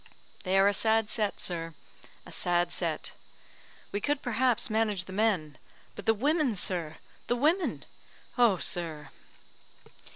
They are a sad set, sir, a sad set. We could, perhaps, manage the men; but the women, sir! the women! Oh, sir!"